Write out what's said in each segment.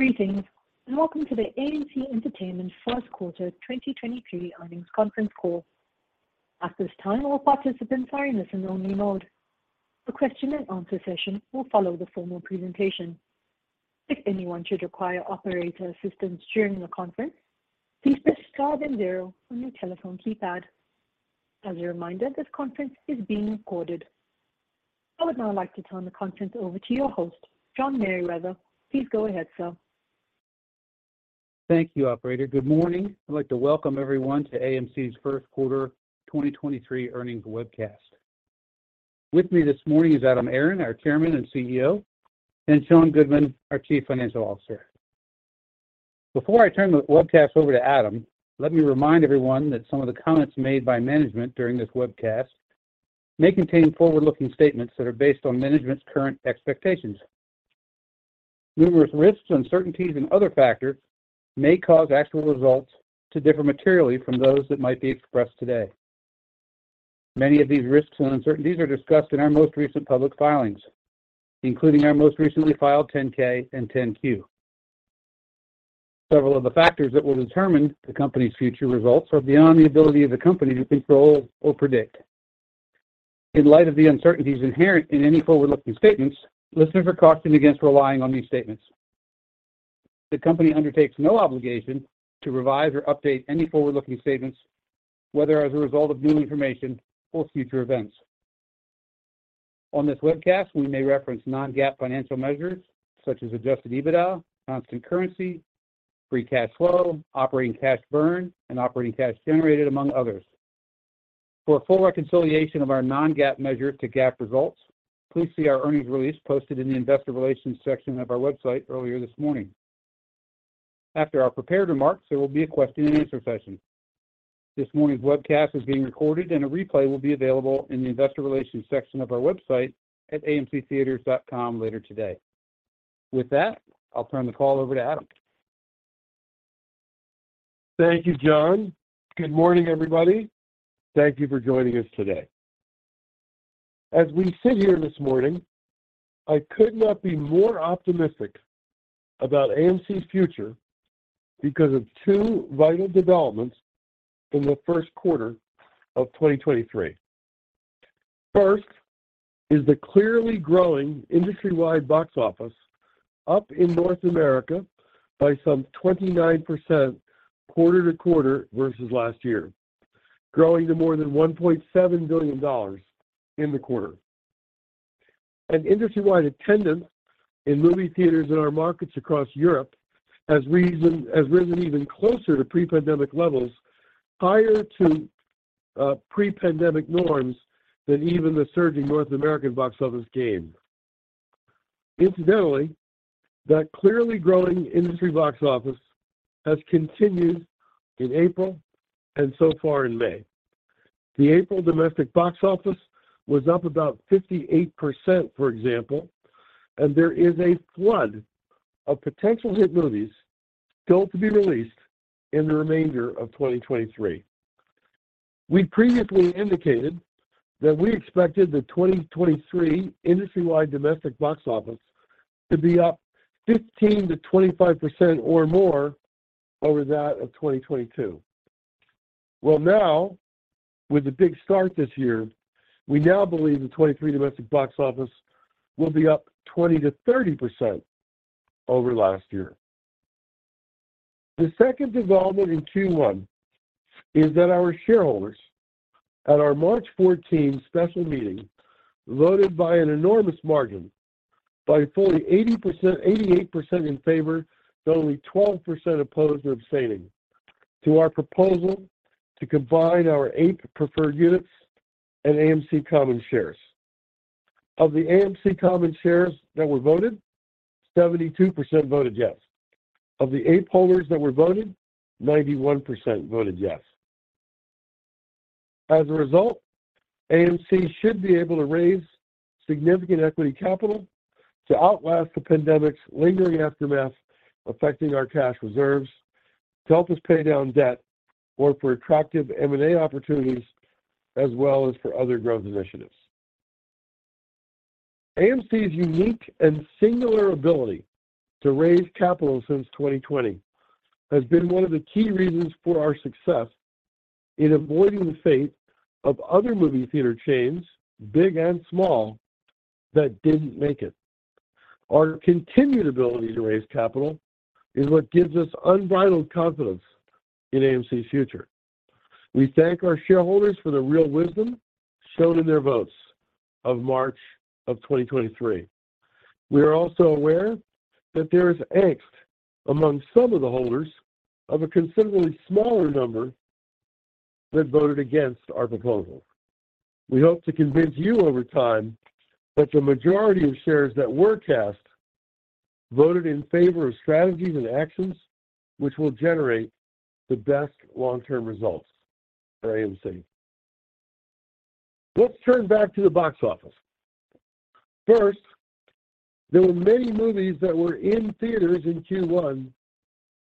Greetings, welcome to the AMC Entertainment first quarter 2023 earnings conference call. At this time, all participants are in listen-only mode. A question and answer session will follow the formal presentation. If anyone should require operator assistance during the conference, please press star then zero on your telephone keypad. As a reminder, this conference is being recorded. I would now like to turn the conference over to your host, John Merriwether. Please go ahead, sir. Thank you, operator. Good morning. I'd like to welcome everyone to AMC's first quarter 2023 earnings webcast. With me this morning is Adam Aron, our Chairman and CEO, and Sean Goodman, our Chief Financial Officer. Before I turn the webcast over to Adam, let me remind everyone that some of the comments made by management during this webcast may contain forward-looking statements that are based on management's current expectations. Numerous risks, uncertainties, and other factors may cause actual results to differ materially from those that might be expressed today. Many of these risks and uncertainties are discussed in our most recent public filings, including our most recently filed 10-K and 10-Q. Several of the factors that will determine the company's future results are beyond the ability of the company to control or predict. In light of the uncertainties inherent in any forward-looking statements, listeners are cautioned against relying on these statements. The company undertakes no obligation to revise or update any forward-looking statements, whether as a result of new information or future events. On this webcast, we may reference non-GAAP financial measures such as Adjusted EBITDA, constant currency, free cash flow, operating cash burn, and operating cash generated, among others. For a full reconciliation of our non-GAAP measures to GAAP results, please see our earnings release posted in the investor relations section of our website earlier this morning. After our prepared remarks, there will be a question and answer session. This morning's webcast is being recorded, and a replay will be available in the investor relations section of our website at amctheatres.com later today. With that, I'll turn the call over to Adam. Thank you, John. Good morning, everybody. Thank you for joining us today. As we sit here this morning, I could not be more optimistic about AMC's future because of two vital developments in the first quarter of 2023. First is the clearly growing industry-wide box office up in North America by some 29% quarter-over-quarter versus last year, growing to more than $1.7 billion in the quarter. An industry-wide attendance in movie theaters in our markets across Europe has risen even closer to pre-pandemic levels, higher to pre-pandemic norms than even the surge in North American box office gains. Incidentally, that clearly growing industry box office has continued in April so far in May. The April domestic box office was up about 58%, for example, and there is a flood of potential hit movies still to be released in the remainder of 2023. We previously indicated that we expected the 2023 industry-wide domestic box office to be up 15%-25% or more over that of 2022. Well, now with the big start this year, we now believe the 2023 domestic box office will be up 20%-30% over last year. The second development in Q1 is that our shareholders at our March 14th special meeting voted by an enormous margin by fully 88% in favor, with only 12% opposed or abstaining to our proposal to combine our APE preferred units and AMC common shares. Of the AMC common shares that were voted, 72% voted yes. Of the APE holders that were voted, 91% voted yes. As a result, AMC should be able to raise significant equity capital to outlast the pandemic's lingering aftermath affecting our cash reserves to help us pay down debt or for attractive M&A opportunities as well as for other growth initiatives. AMC's unique and singular ability to raise capital since 2020 has been one of the key reasons for our success in avoiding the fate of other movie theater chains, big and small, that didn't make it. Our continued ability to raise capital is what gives us unbridled confidence in AMC's future. We thank our shareholders for the real wisdom shown in their votes of March of 2023. We are also aware that there is angst among some of the holders of a considerably smaller number that voted against our proposal. We hope to convince you over time that the majority of shares that were cast voted in favor of strategies and actions which will generate the best long-term results for AMC. Let's turn back to the box office. First, there were many movies that were in theaters in Q1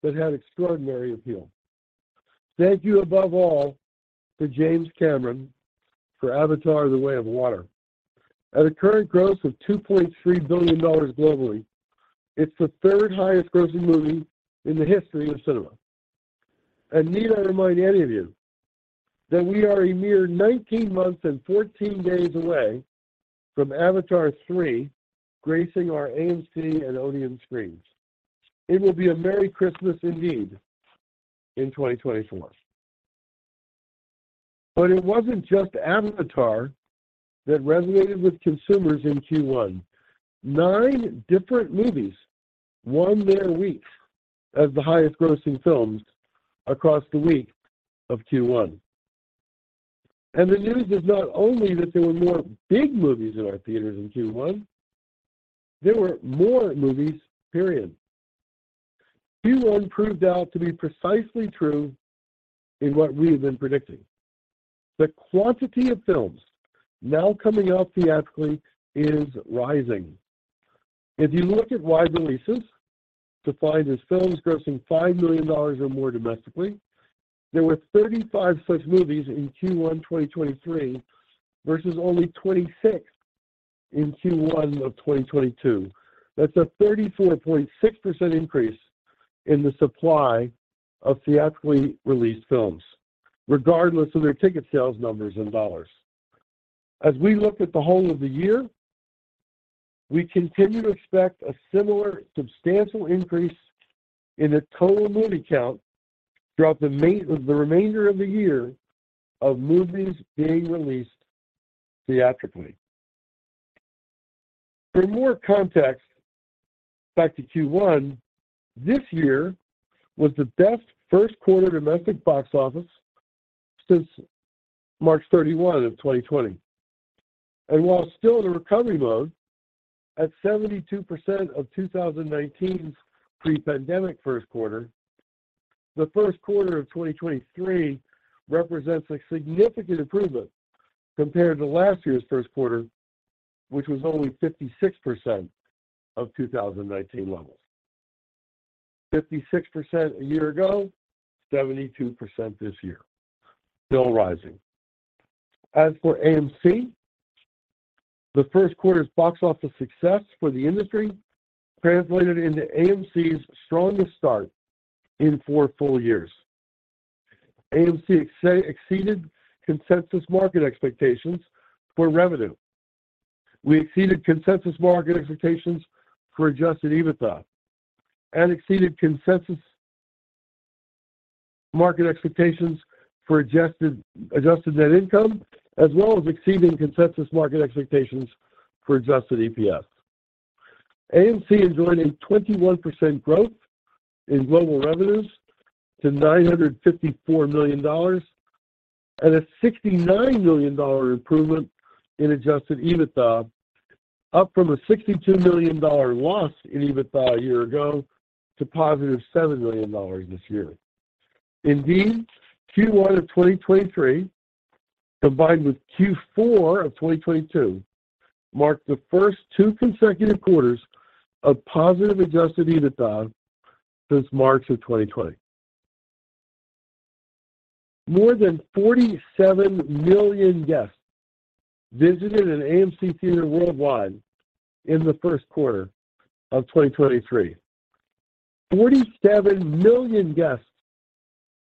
that had extraordinary appeal. Thank you above all to James Cameron for Avatar: The Way of Water. At a current gross of $2.3 billion globally, it's the third highest grossing movie in the history of cinema. Need I remind any of you that we are a mere 19 months and 14 days away from Avatar three gracing our AMC and Odeon screens. It will be a merry Christmas indeed in 2024. It wasn't just Avatar that resonated with consumers in Q1. Nine different movies won their week as the highest grossing films across the week of Q1. The news is not only that there were more big movies in our theaters in Q1, there were more movies, period. Q1 proved out to be precisely true in what we have been predicting. The quantity of films now coming out theatrically is rising. If you look at wide releases, defined as films grossing $5 million or more domestically, there were 35 such movies in Q1 2023 versus only 26 in Q1 of 2022. That's a 34.6 increase in the supply of theatrically released films, regardless of their ticket sales numbers in dollars. We look at the whole of the year, we continue to expect a similar substantial increase in the total movie count throughout the remainder of the year of movies being released theatrically. For more context, back to Q1, this year was the best first quarter domestic box office since March 31, 2020. While still in a recovery mode at 72% of 2019's pre-pandemic first quarter, the first quarter of 2023 represents a significant improvement compared to last year's first quarter, which was only 56% of 2019 levels. 56% a year ago, 72% this year, still rising. For AMC, the first quarter's box office success for the industry translated into AMC's strongest start in four full years. AMC exceeded consensus market expectations for revenue. We exceeded consensus market expectations for Adjusted EBITDA and exceeded consensus market expectations for adjusted net income, as well as exceeding consensus market expectations for Adjusted EPS. AMC enjoyed a 21% growth in global revenues to $954 million and a $69 million improvement in Adjusted EBITDA, up from a $62 million loss in EBITDA a year ago to positive $7 million this year. Indeed, Q1 of 2023, combined with Q4 of 2022, marked the first two consecutive quarters of positive Adjusted EBITDA since March of 2020. More than 47 million guests visited an AMC theater worldwide in the first quarter of 2023. 47 million guests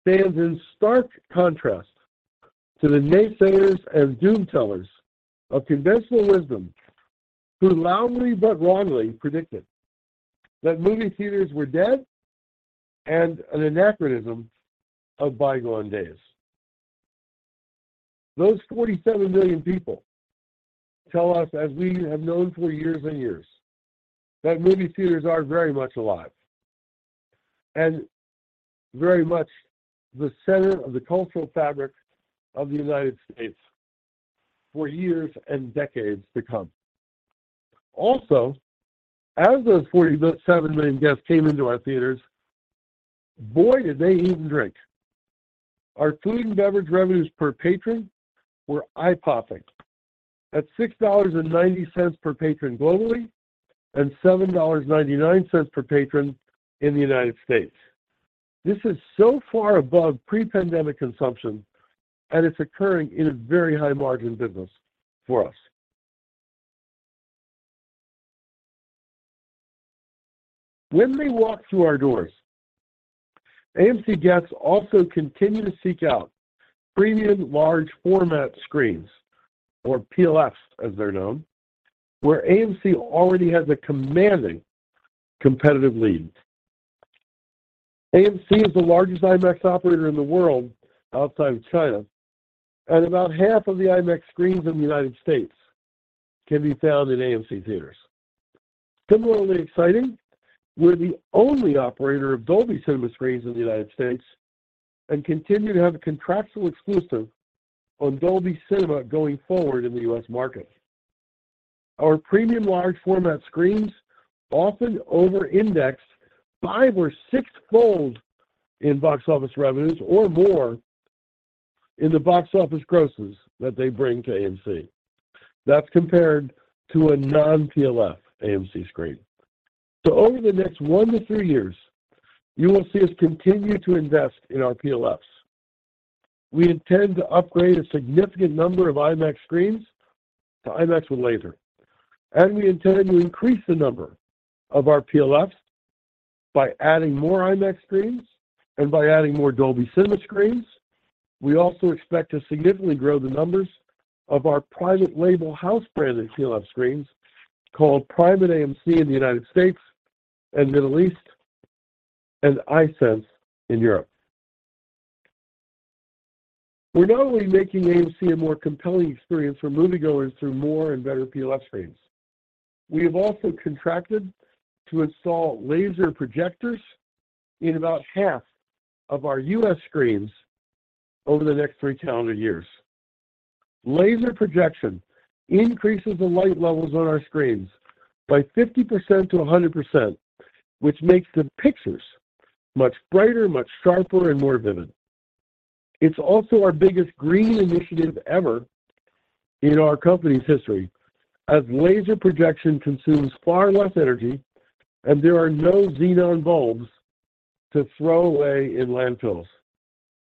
stands in stark contrast to the naysayers and doom tellers of conventional wisdom who loudly but wrongly predicted that movie theaters were dead and an anachronism of bygone days. Those 47 million people tell us, as we have known for years and years, that movie theaters are very much alive and very much the center of the cultural fabric of the United States for years and decades to come. As those 47 million guests came into our theaters, boy, did they eat and drink. Our food and beverage revenues per patron were eye-popping. At $6.90 per patron globally and $7.99 per patron in the United States. This is so far above pre-pandemic consumption, and it's occurring in a very high margin business for us. When they walk through our doors, AMC guests also continue to seek out premium large format screens, or PLFs as they're known, where AMC already has a commanding competitive lead. AMC is the largest IMAX operator in the world outside of China. About half of the IMAX screens in the United States can be found in AMC Theatres. Similarly exciting, we're the only operator of Dolby Cinema screens in the United States and continue to have a contractual exclusive on Dolby Cinema going forward in the U.S. market. Our premium large format screens often over-index five or six-fold in box office revenues or more in the box office grosses that they bring to AMC. That's compared to a non-PLF AMC screen. Over the next one to three years, you will see us continue to invest in our PLFs. We intend to upgrade a significant number of IMAX screens to IMAX with Laser. We intend to increase the number of our PLFs by adding more IMAX screens and by adding more Dolby Cinema screens. We also expect to significantly grow the numbers of our private label house branded PLF screens called Prime at AMC in the U.S. and Middle East and iSense in Europe. We're not only making AMC a more compelling experience for moviegoers through more and better PLF screens, we have also contracted to install laser projectors in about half of our U.S. screens over the next three calendar years. Laser projection increases the light levels on our screens by 50%-100%, which makes the pictures much brighter, much sharper and more vivid. It's also our biggest green initiative ever in our company's history, as laser projection consumes far less energy and there are no xenon bulbs to throw away in landfills.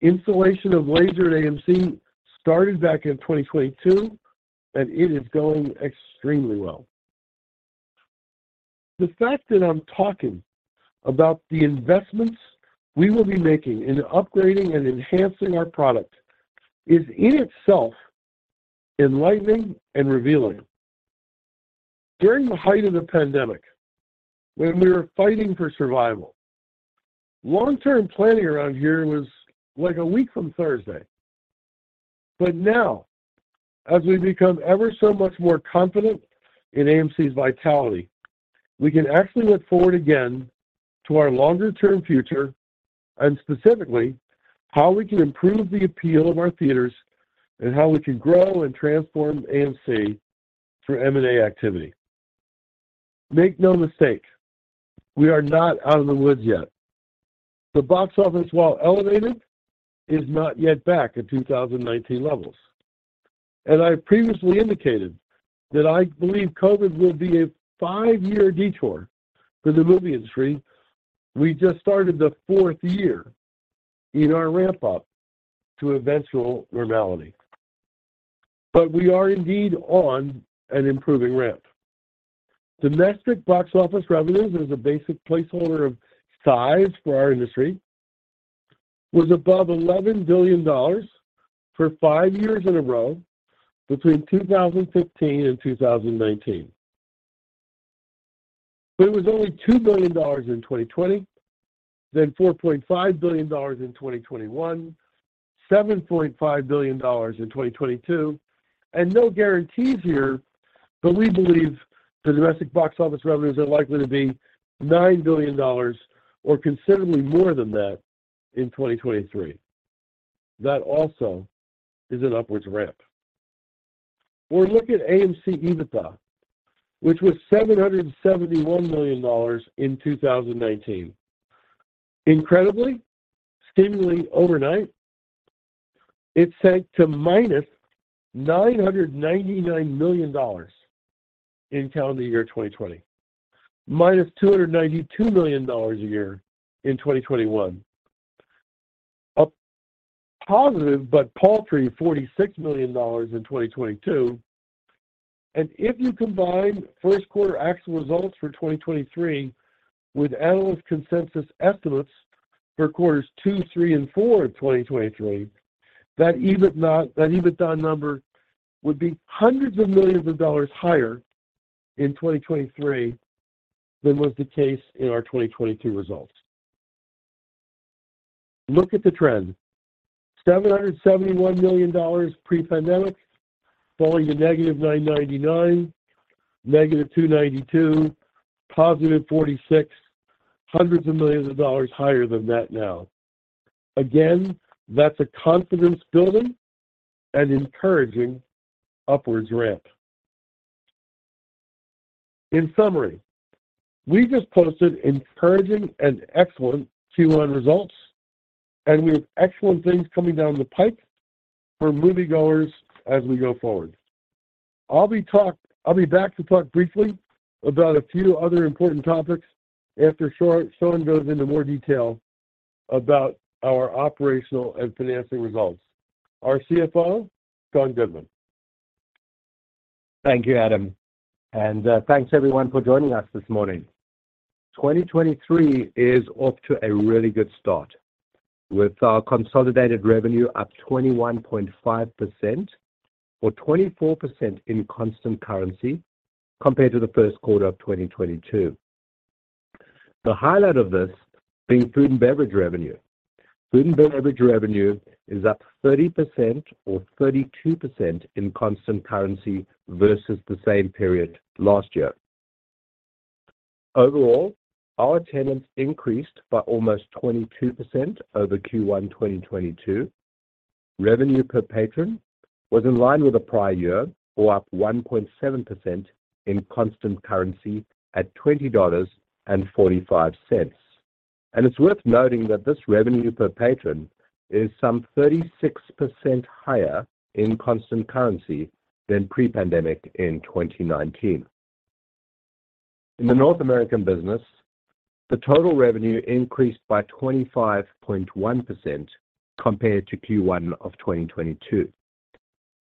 Installation of laser at AMC started back in 2022, and it is going extremely well. The fact that I'm talking about the investments we will be making in upgrading and enhancing our product is in itself enlightening and revealing. During the height of the pandemic, when we were fighting for survival, long-term planning around here was like a week from Thursday. Now, as we become ever so much more confident in AMC's vitality, we can actually look forward again to our longer-term future and specifically how we can improve the appeal of our theaters and how we can grow and transform AMC through M&A activity. Make no mistake, we are not out of the woods yet. The box office, while elevated, is not yet back at 2019 levels. I previously indicated that I believe COVID will be a five-year detour for the movie industry. We just started the fourth year in our ramp up to eventual normality. We are indeed on an improving ramp. Domestic box office revenues as a basic placeholder of size for our industry was above $11 billion for five years in a row between 2015 and 2019. It was only $2 billion in 2020, $4.5 billion in 2021, $7.5 billion in 2022. No guarantees here, we believe the domestic box office revenues are likely to be $9 billion or considerably more than that in 2023. That also is an upwards ramp. Look at AMC EBITDA, which was $771 million in 2019. Incredibly, seemingly overnight, it sank to -$999 million in calendar year 2020, -$292 million a year in 2021. If you combine first quarter actual results for 2023 with analyst consensus estimates for quarters two, three and four of 2023, that EBITDA number would be hundreds of millions of dollars higher in 2023 than was the case in our 2022 results. Look at the trend. $771 million pre-pandemic, falling to negative $999 million, negative $292 million, positive $46 million, hundreds of millions of dollars higher than that now. Again, that's a confidence-building and encouraging upwards ramp. In summary, we just posted encouraging and excellent Q1 results, and we have excellent things coming down the pipe for moviegoers as we go forward. I'll be back to talk briefly about a few other important topics after Sean goes into more detail about our operational and financing results. Our CFO, Sean Goodman. Thank you, Adam. Thanks everyone for joining us this morning. 2023 is off to a really good start with our consolidated revenue up 21.5% or 24% in constant currency compared to the Q1 of 2022. The highlight of this being food and beverage revenue. Food and beverage revenue is up 30% or 32% in constant currency versus the same period last year. Overall, our attendance increased by almost 22% over Q1 2022. Revenue per patron was in line with the prior year or up 1.7% in constant currency at $20.45. It's worth noting that this revenue per patron is some 36% higher in constant currency than pre-pandemic in 2019. In the North American business, the total revenue increased by 25.1% compared to Q1 of 2022,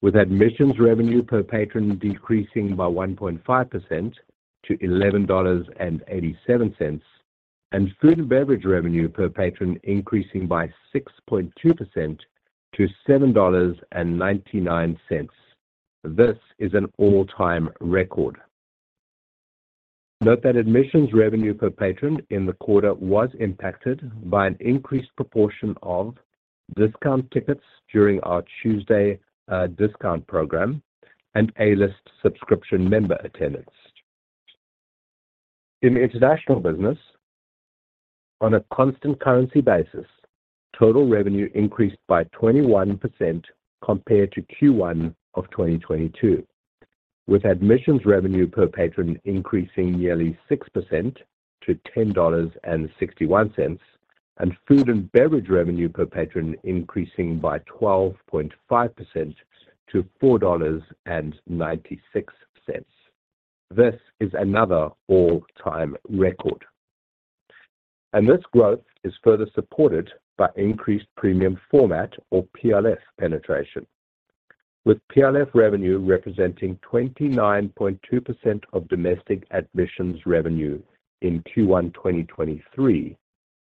with admissions revenue per patron decreasing by 1.5% to $11.87 and food and beverage revenue per patron increasing by 6.2% to $7.99. This is an all-time record. Note that admissions revenue per patron in the quarter was impacted by an increased proportion of discount tickets during our Tuesday discount program and A-List subscription member attendance. In the international business, on a constant currency basis, total revenue increased by 21% compared to Q1 of 2022, with admissions revenue per patron increasing nearly 6% to $10.61 and food and beverage revenue per patron increasing by 12.5% to $4.96. This is another all-time record, this growth is further supported by increased premium format or PLF penetration, with PLF revenue representing 29.2% of domestic admissions revenue in Q1 2023.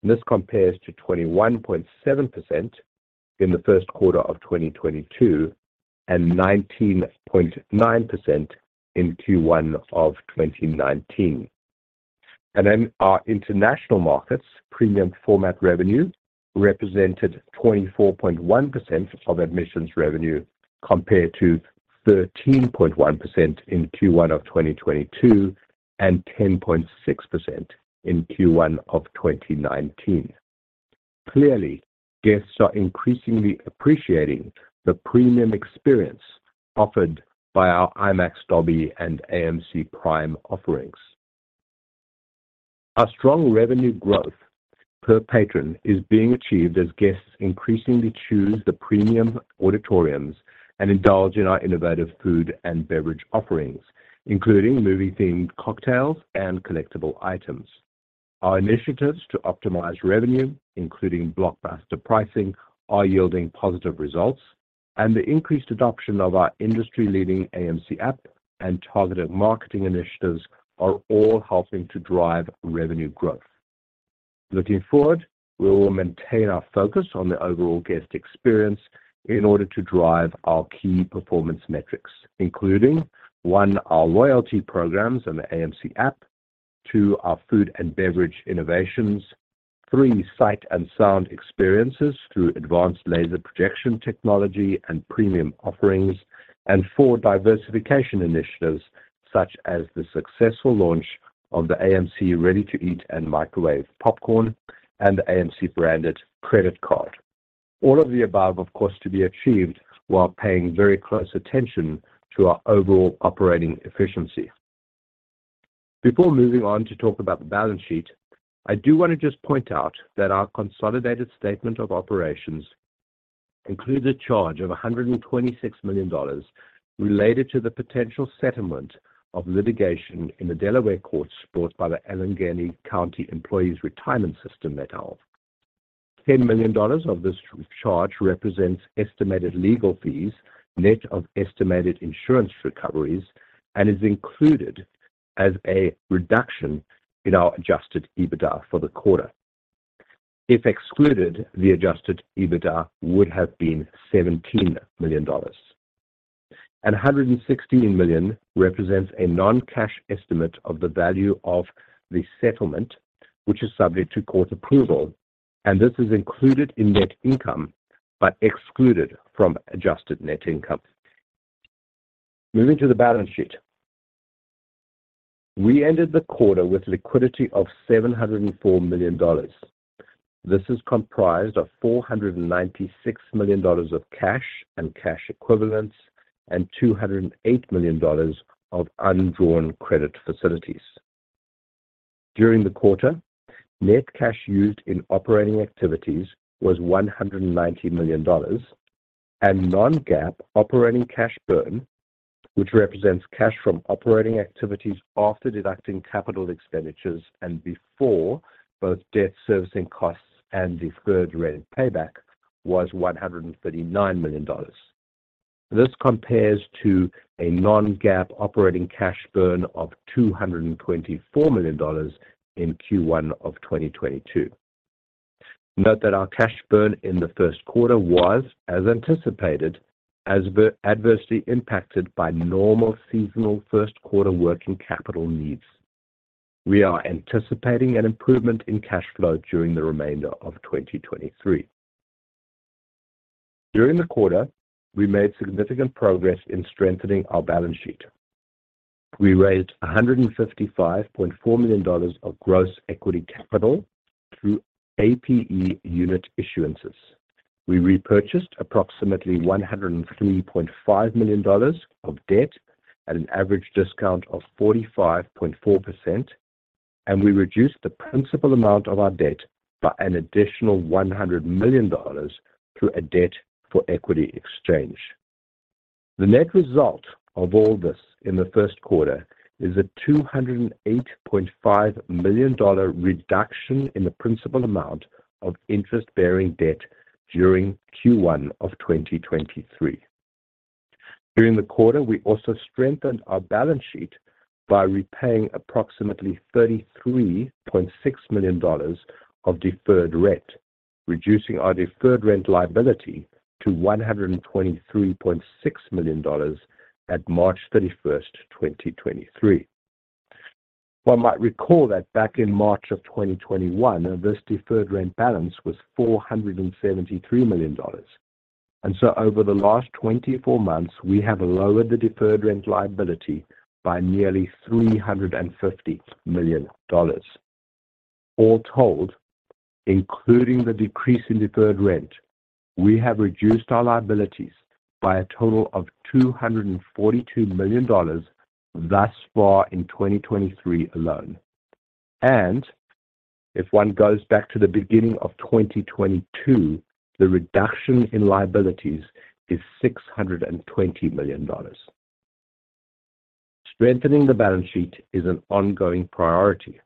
This compares to 21.7% in Q1 2022 and 19.9% in Q1 2019. Our international markets premium format revenue represented 24.1% of admissions revenue, compared to 13.1% in Q1 2022 and 10.6% in Q1 2019. Clearly, guests are increasingly appreciating the premium experience offered by our IMAX Dolby and AMC Prime offerings. Our strong revenue growth per patron is being achieved as guests increasingly choose the premium auditoriums and indulge in our innovative food and beverage offerings, including movie-themed cocktails and collectible items. Our initiatives to optimize revenue, including blockbuster pricing, are yielding positive results. The increased adoption of our industry-leading AMC app and targeted marketing initiatives are all helping to drive revenue growth. Looking forward, we will maintain our focus on the overall guest experience in order to drive our key performance metrics, including, one, our loyalty programs and the AMC app. two, our food and beverage innovations. three, sight and sound experiences through advanced laser projection technology and premium offerings. four, diversification initiatives such as the successful launch of the AMC ready-to-eat and microwave popcorn and the AMC branded credit card. All of the above, of course, to be achieved while paying very close attention to our overall operating efficiency. Before moving on to talk about the balance sheet, I do want to just point out that our consolidated statement of operations includes a charge of $126 million related to the potential settlement of litigation in the Delaware courts brought by the Allegheny County Employees' Retirement System et al. $10 million of this charge represents estimated legal fees, net of estimated insurance recoveries, and is included as a reduction in our Adjusted EBITDA for the quarter. If excluded, the Adjusted EBITDA would have been $17 million. A hundred and sixteen million represents a non-cash estimate of the value of the settlement, which is subject to court approval, and this is included in net income but excluded from adjusted net income. Moving to the balance sheet. We ended the quarter with liquidity of $704 million. This is comprised of $496 million of cash and cash equivalents and $208 million of undrawn credit facilities. During the quarter, net cash used in operating activities was $190 million and non-GAAP operating cash burn, which represents cash from operating activities after deducting capital expenditures and before both debt servicing costs and deferred rent payback, was $139 million. This compares to a non-GAAP operating cash burn of $224 million in Q1 of 2022. Note that our cash burn in the first quarter was, as anticipated, adversely impacted by normal seasonal first quarter working capital needs. We are anticipating an improvement in cash flow during the remainder of 2023. During the quarter, we made significant progress in strengthening our balance sheet. We raised $155.4 million of gross equity capital through APE unit issuances. We repurchased approximately $103.5 million of debt at an average discount of 45.4%. We reduced the principal amount of our debt by an additional $100 million through a debt-for-equity exchange. The net result of all this in the first quarter is a $208.5 million reduction in the principal amount of interest-bearing debt during Q1 of 2023. During the quarter, we also strengthened our balance sheet by repaying approximately $33.6 million of deferred rent, reducing our deferred rent liability to $123.6 million at March 31st, 2023. One might recall that back in March of 2021, this deferred rent balance was $473 million. Over the last 24 months, we have lowered the deferred rent liability by nearly $350 million. All told, including the decrease in deferred rent, we have reduced our liabilities by a total of $242 million thus far in 2023 alone. If one goes back to the beginning of 2022, the reduction in liabilities is $620 million. Strengthening the balance sheet is an ongoing priority.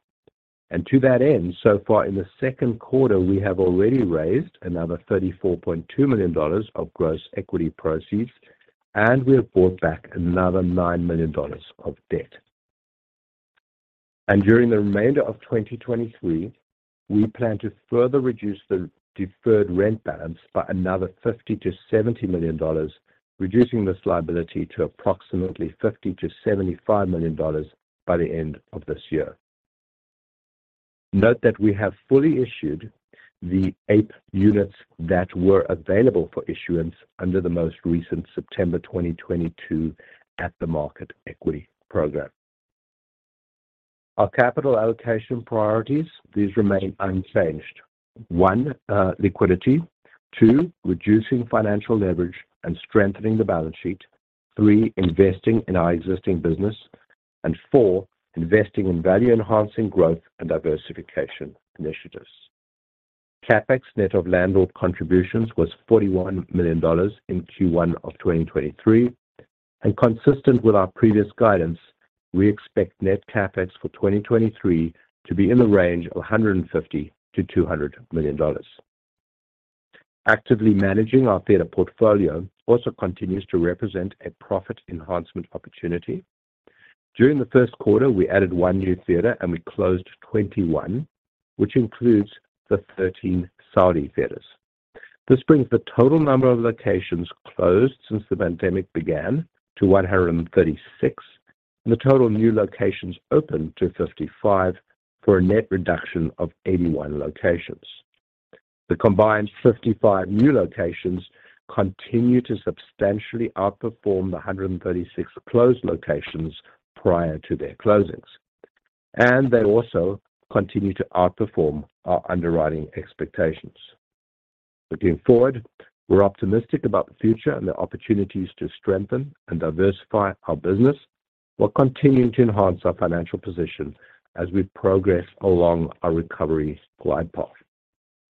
To that end, so far in the second quarter, we have already raised another $34.2 million of gross equity proceeds, and we have bought back another $9 million of debt. During the remainder of 2023, we plan to further reduce the deferred rent balance by another $50 million-$70 million, reducing this liability to approximately $50 million-$75 million by the end of this year. Note that we have fully issued the APE units that were available for issuance under the most recent September 2022 at the market equity program. Our capital allocation priorities, these remain unchanged. One, liquidity. Two, reducing financial leverage and strengthening the balance sheet. Three, investing in our existing business. Four, investing in value-enhancing growth and diversification initiatives. CapEx net of landlord contributions was $41 million in Q1 of 2023. Consistent with our previous guidance, we expect net CapEx for 2023 to be in the range of $150 million-$200 million. Actively managing our theater portfolio also continues to represent a profit enhancement opportunity. During the first quarter, we added one new theater and we closed 21, which includes the 13 Saudi theaters. This brings the total number of locations closed since the pandemic began to 136, and the total new locations opened to 55 for a net reduction of 81 locations. The combined 55 new locations continue to substantially outperform the 136 closed locations prior to their closings, and they also continue to outperform our underwriting expectations. Looking forward, we're optimistic about the future and the opportunities to strengthen and diversify our business while continuing to enhance our financial position as we progress along our recovery glide path.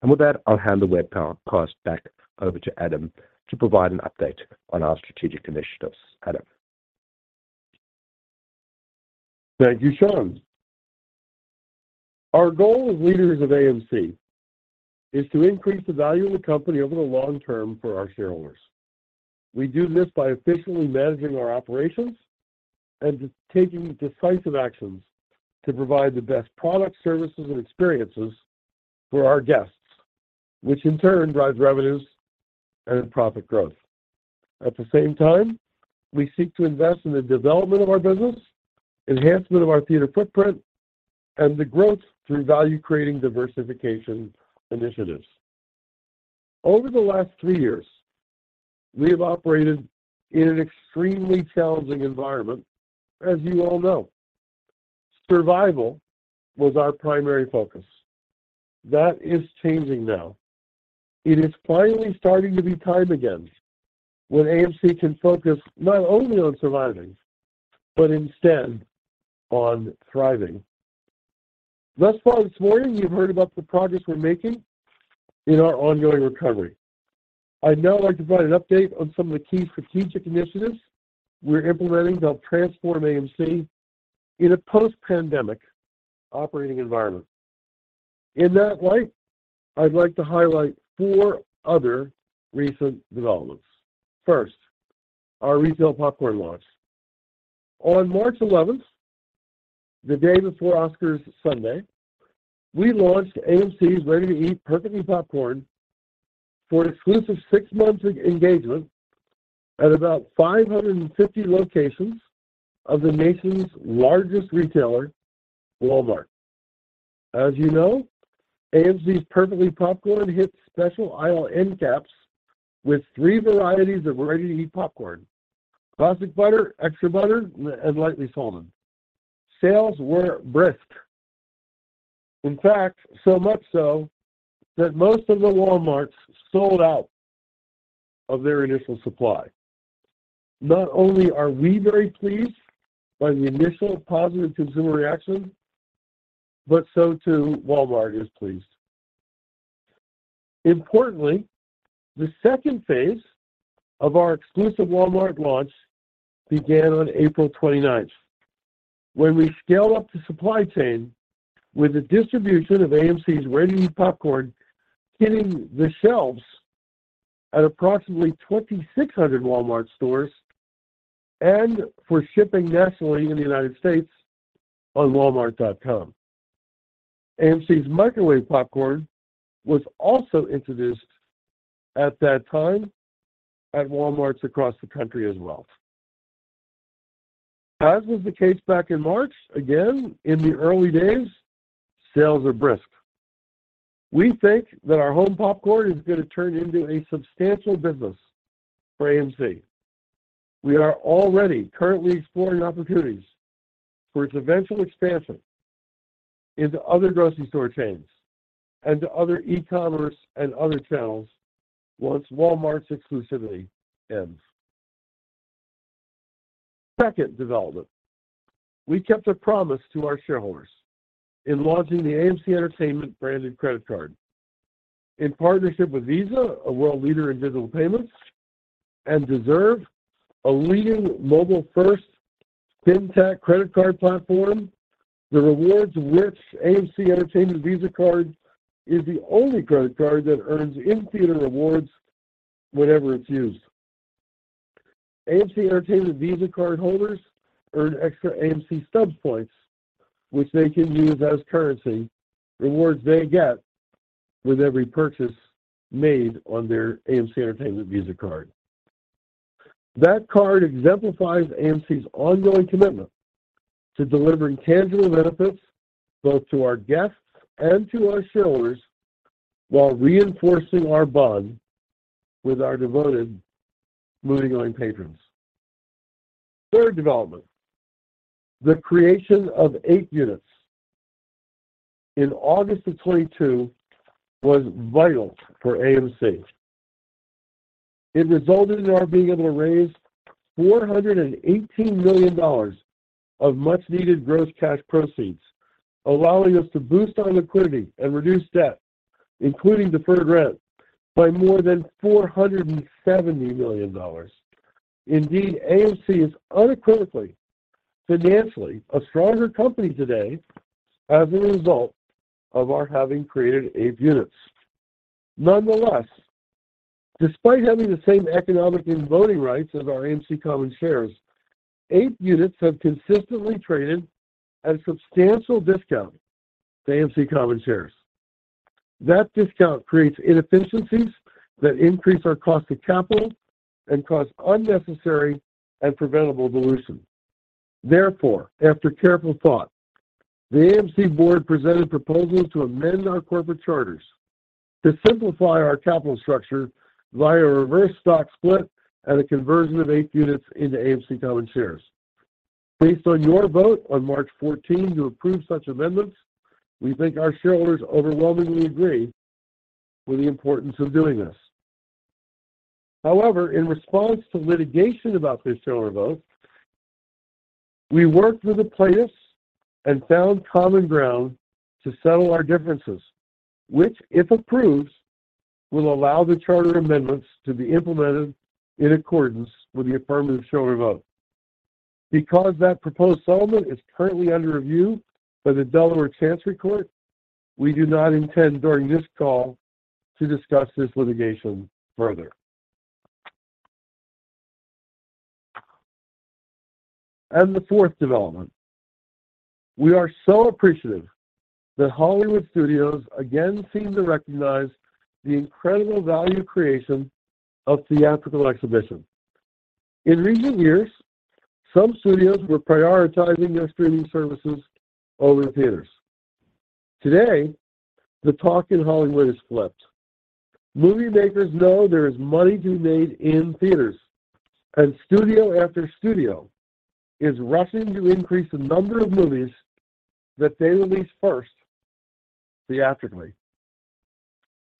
With that, I'll hand the webcast back over to Adam to provide an update on our strategic initiatives. Adam. Thank you, Sean. Our goal as leaders of AMC is to increase the value of the company over the long term for our shareholders. We do this by efficiently managing our operations and taking decisive actions to provide the best products, services, and experiences for our guests, which in turn drives revenues and profit growth. At the same time, we seek to invest in the development of our business, enhancement of our theater footprint, and the growth through value-creating diversification initiatives. Over the last three years, we have operated in an extremely challenging environment, as you all know. Survival was our primary focus. That is changing now. It is finally starting to be time again when AMC can focus not only on surviving, but instead on thriving. Thus far this morning, you've heard about the progress we're making in our ongoing recovery. I'd now like to provide an update on some of the key strategic initiatives we're implementing to help transform AMC in a post-pandemic operating environment. In that light, I'd like to highlight four other recent developments. First, our retail popcorn launch. On March 11th, the day before Oscars Sunday, we launched AMC's ready-to-eat Perfectly Popcorn for an exclusive six-month engagement at about 550 locations of the nation's largest retailer, Walmart. As you know, AMC's Perfectly Popcorn hits special aisle end caps with three varieties of ready-to-eat popcorn: Classic Butter, Extra Butter, and Lightly Salted. Sales were brisk. In fact, so much so that most of the Walmarts sold out of their initial supply. Not only are we very pleased by the initial positive consumer reaction, but so too Walmart is pleased. Importantly, the second phase of our exclusive Walmart launch began on April 29th when we scaled up the supply chain with the distribution of AMC's Perfectly Popcorn hitting the shelves at approximately 2,600 Walmart stores and for shipping nationally in the United States on walmart.com. AMC's microwave popcorn was also introduced at that time at Walmarts across the country as well. As was the case back in March, again, in the early days, sales are brisk. We think that our home popcorn is going to turn into a substantial business for AMC. We are already currently exploring opportunities for its eventual expansion into other grocery store chains and to other e-commerce and other channels once Walmart's exclusivity ends. Second development, we kept a promise to our shareholders in launching the AMC Entertainment branded credit card. In partnership with Visa, a world leader in digital payments, and Deserve, a leading mobile-first fintech credit card platform, the rewards-rich AMC Entertainment Visa Card is the only credit card that earns in-theater rewards whenever it's used. AMC Entertainment Visa Cardholders earn extra AMC Stubs points, which they can use as currency, rewards they get with every purchase made on their AMC Entertainment Visa Card. That card exemplifies AMC's ongoing commitment to delivering tangible benefits both to our guests and to our shareholders while reinforcing our bond with our devoted moviegoing patrons. Third development, the creation of APE units in August of 2022 was vital for AMC. It resulted in our being able to raise $418 million of much-needed gross cash proceeds, allowing us to boost our liquidity and reduce debt, including deferred rent, by more than $470 million. Indeed, AMC is unequivocally financially a stronger company today as a result of our having created APE units. Despite having the same economic and voting rights as our AMC common shares, APE units have consistently traded at a substantial discount to AMC common shares. That discount creates inefficiencies that increase our cost of capital and cause unnecessary and preventable dilution. After careful thought, the AMC board presented proposals to amend our corporate charters to simplify our capital structure via a reverse stock split and a conversion of APE units into AMC common shares. Based on your vote on March fourteen to approve such amendments, we think our shareholders overwhelmingly agree with the importance of doing this. However, in response to litigation about this shareholder vote, we worked with the plaintiffs and found common ground to settle our differences, which, if approved, will allow the charter amendments to be implemented in accordance with the affirmative shareholder vote. Because that proposed settlement is currently under review by the Delaware Chancery Court, we do not intend during this call to discuss this litigation further. The fourth development, we are so appreciative that Hollywood studios again seem to recognize the incredible value creation of theatrical exhibition. In recent years, some studios were prioritizing their streaming services over theaters. Today, the talk in Hollywood has flipped. Movie makers know there is money to be made in theaters, and studio after studio is rushing to increase the number of movies that they release first theatrically.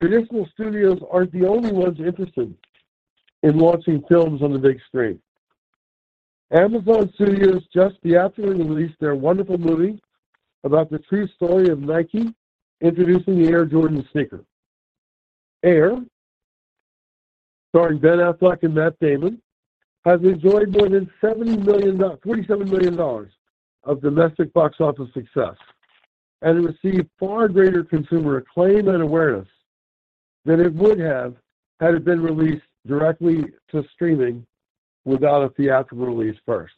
Traditional studios aren't the only ones interested in launching films on the big screen. Amazon Studios just theatrically released their wonderful movie about the true story of Nike introducing the Air Jordan sneaker. Air, starring Ben Affleck and Matt Damon, has enjoyed more than $37 million of domestic box office success, and it received far greater consumer acclaim and awareness than it would have had it been released directly to streaming without a theatrical release first.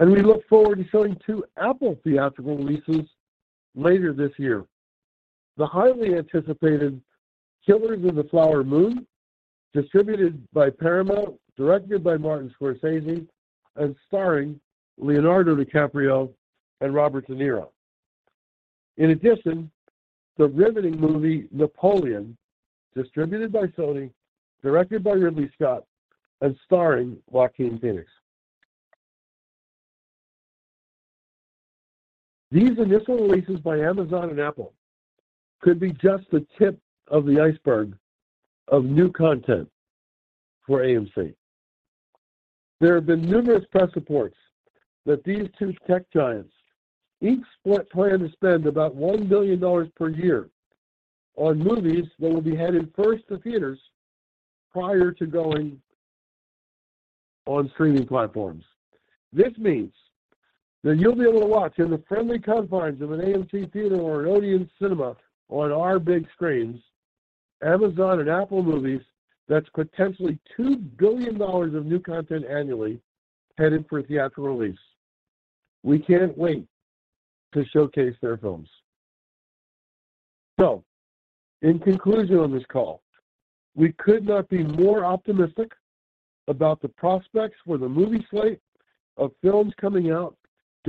We look forward to showing two Apple theatrical releases later this year. The highly anticipated Killers of the Flower Moon, distributed by Paramount, directed by Martin Scorsese, and starring Leonardo DiCaprio and Robert De Niro. In addition, the riveting movie Napoleon, distributed by Sony, directed by Ridley Scott, and starring Joaquin Phoenix. These initial releases by Amazon and Apple could be just the tip of the iceberg of new content for AMC. There have been numerous press reports that these two tech giants each plan to spend about $1 billion per year on movies that will be headed first to theaters prior to going on streaming platforms. This means that you'll be able to watch in the friendly confines of an AMC Theatres or an Odeon Cinema on our big screens Amazon and Apple movies that's potentially $2 billion of new content annually headed for theatrical release. We can't wait to showcase their films. In conclusion on this call, we could not be more optimistic about the prospects for the movie slate of films coming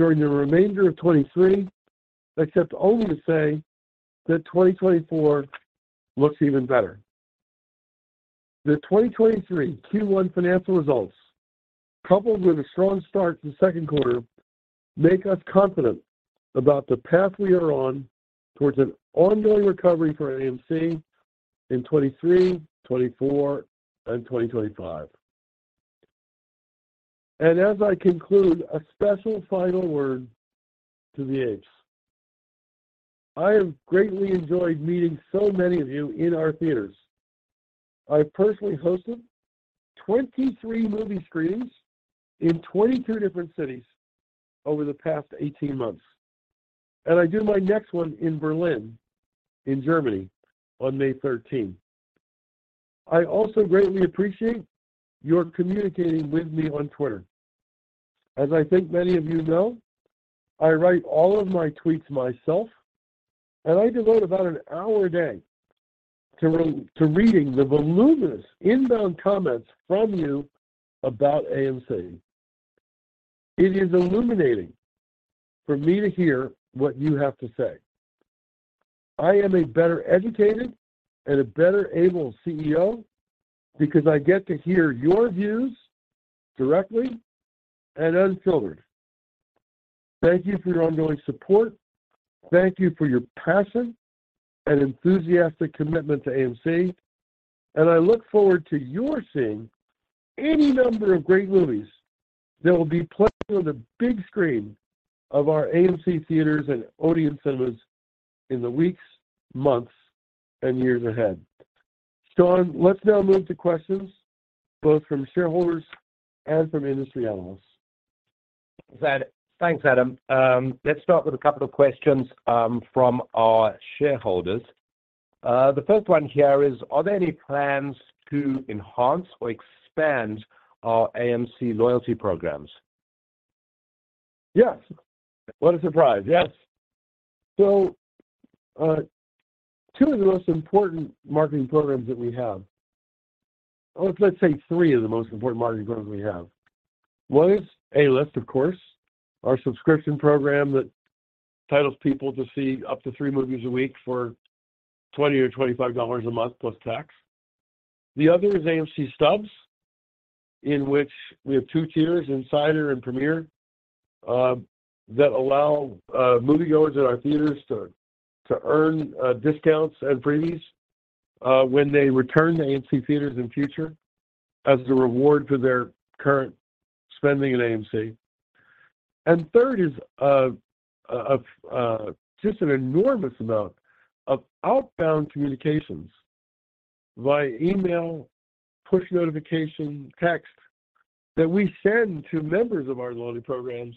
out during the remainder of 2023, except only to say that 2024 looks even better. The 2023 Q1 financial results, coupled with a strong start to the second quarter, make us confident about the path we are on towards an ongoing recovery for AMC in 2023, 2024, and 2025. As I conclude, a special final word to the APEs. I have greatly enjoyed meeting so many of you in our theaters. I personally hosted 23 movie screenings in 22 different cities over the past 18 months, and I do my next one in Berlin, in Germany on May 13th. I also greatly appreciate your communicating with me on Twitter. As I think many of you know, I write all of my tweets myself, and I devote about an hour a day to reading the voluminous inbound comments from you about AMC. It is illuminating for me to hear what you have to say. I am a better educated and a better able CEO because I get to hear your views directly and unfiltered. Thank you for your ongoing support. Thank you for your passion and enthusiastic commitment to AMC. I look forward to your seeing any number of great movies that will be playing on the big screen of our AMC Theatres and Odeon Cinemas in the weeks, months, and years ahead. Let's now move to questions both from shareholders and from industry analysts. Thanks, Adam. Let's start with a couple of questions, from our shareholders. The first one here is: Are there any plans to enhance or expand our AMC loyalty programs? Yes. What a surprise. Yes. Two of the most important marketing programs that we have, or let's say three of the most important marketing programs we have. One is A-List, of course, our subscription program that entitles people to see up to three movies a week for $20 or $25 a month, plus tax. The other is AMC Stubs, in which we have two tiers, Insider and Premiere, that allow moviegoers at our theatres to earn discounts and freebies when they return to AMC Theatres in future as a reward for their current spending at AMC. Third is, just an enormous amount of outbound communications via email, push notification, text that we send to members of our loyalty programs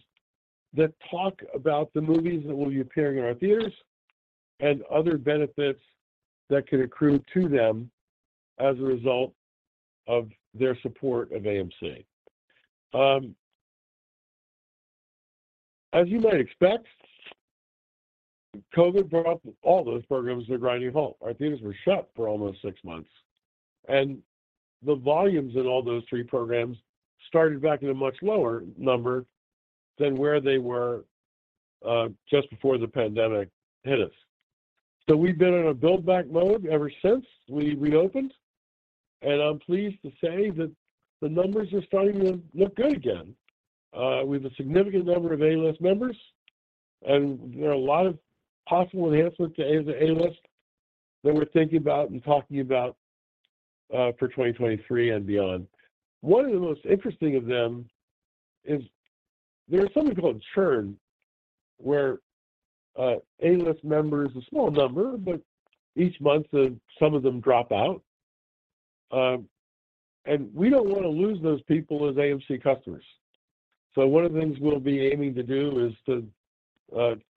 that talk about the movies that will be appearing in our theaters and other benefits that could accrue to them as a result of their support of AMC. As you might expect, COVID brought all those programs to a grinding halt. Our theaters were shut for almost six months. The volumes in all those three programs started back at a much lower number than where they were, just before the pandemic hit us. We've been in a build-back mode ever since we reopened. I'm pleased to say that the numbers are starting to look good again. We have a significant number of A-List members, and there are a lot of possible enhancements to A-List that we're thinking about and talking about for 2023 and beyond. One of the most interesting of them is there's something called churn, where A-List members, a small number, but each month some of them drop out. We don't wanna lose those people as AMC customers. One of the things we'll be aiming to do is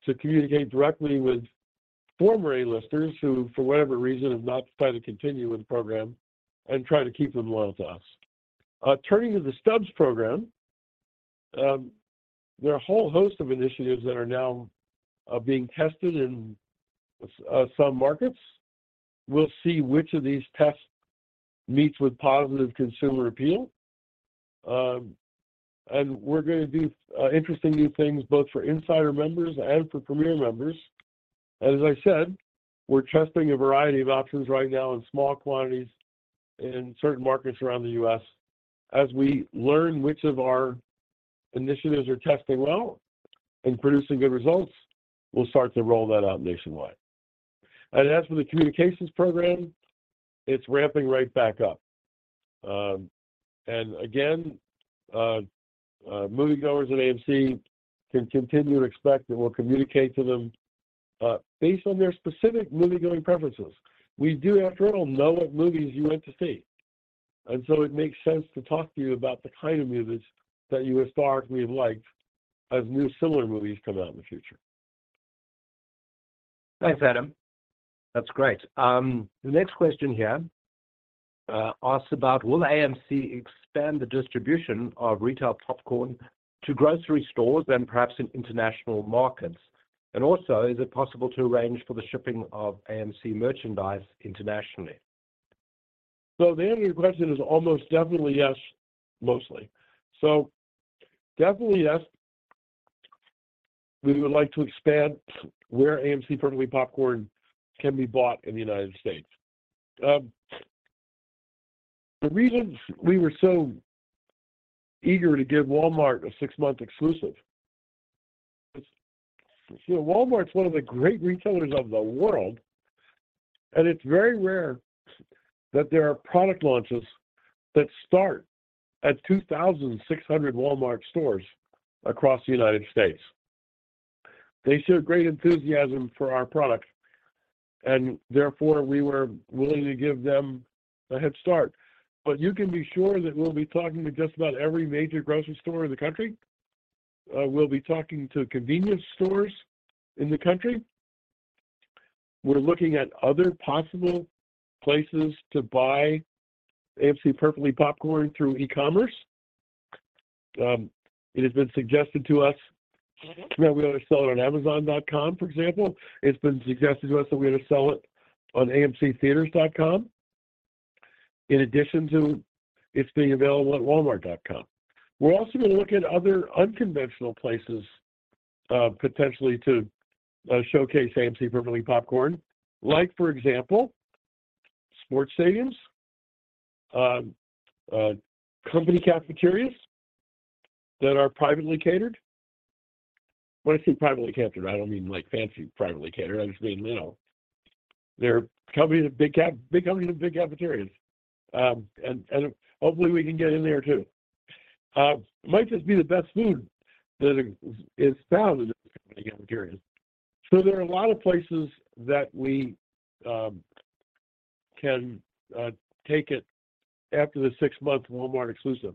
to communicate directly with former A-Listers who, for whatever reason, have not decided to continue with the program and try to keep them loyal to us. Turning to the Stubs program, there are a whole host of initiatives that are now being tested in some markets. We'll see which of these tests meets with positive consumer appeal. We're gonna do interesting new things both for Insider members and for Premiere members. As I said, we're testing a variety of options right now in small quantities in certain markets around the U.S. As we learn which of our initiatives are testing well and producing good results, we'll start to roll that out nationwide. As for the communications program, it's ramping right back up. Again, moviegoers at AMC can continue to expect that we'll communicate to them based on their specific moviegoing preferences. We do, after all, know what movies you went to see, and so it makes sense to talk to you about the kind of movies that you historically have liked as new similar movies come out in the future. Thanks, Adam. That's great. The next question here asks about will AMC expand the distribution of retail popcorn to grocery stores and perhaps in international markets? Is it possible to arrange for the shipping of AMC merchandise internationally? The answer to your question is almost definitely yes, mostly. Definitely, yes, we would like to expand where AMC Perfectly Popcorn can be bought in the United States. The reason we were so eager to give Walmart a six-month exclusive is, you know, Walmart's one of the great retailers of the world, and it's very rare that there are product launches that start at 2,600 Walmart stores across the United States. They showed great enthusiasm for our product, and therefore we were willing to give them a head start. You can be sure that we'll be talking to just about every major grocery store in the country. We'll be talking to convenience stores in the country. We're looking at other possible places to buy AMC Perfectly Popcorn through e-commerce. It has been suggested to us that we ought to sell it on amazon.com, for example. It's been suggested to us that we ought to sell it on amctheatres.com in addition to it's being available at walmart.com. We're also gonna look at other unconventional places, potentially to showcase AMC Perfectly Popcorn, like, for example, sports stadiums, company cafeterias that are privately catered. When I say privately catered, I don't mean like fancy privately catered. I just mean, you know, they're companies with big companies with big cafeterias. Hopefully we can get in there too. It might just be the best food that is found in those company cafeterias. There are a lot of places that we can take it after the six-month Walmart exclusive.